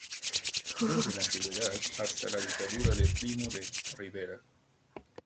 Desde la antigüedad hasta la dictadura de Primo de Rivera".